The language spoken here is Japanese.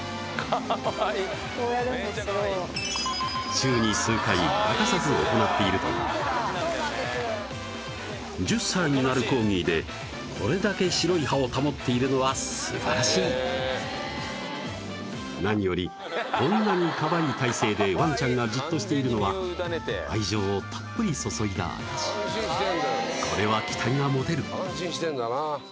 週に数回欠かさず行っているという１０歳になるコーギーでこれだけ白い歯を保っているのはすばらしい何よりこんなに可愛い体勢でワンちゃんがじっとしているのは愛情をたっぷり注いだ証しこれは期待が持てる安心してんだな